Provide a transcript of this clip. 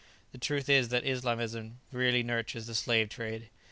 The truth is that Islamism really nurtures the slave trade.